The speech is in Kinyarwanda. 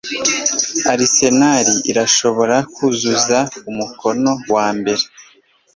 Arsenal irashobora kuzuza umukono wambere